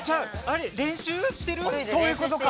そういうことか！